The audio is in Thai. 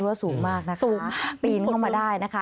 รั้วสูงมากนะคะปีนเข้ามาได้นะคะ